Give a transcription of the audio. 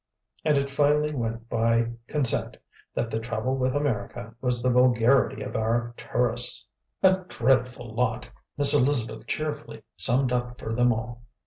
And it finally went by consent that the trouble with America was the vulgarity of our tourists. "A dreadful lot!" Miss Elizabeth cheerfully summed up for them all.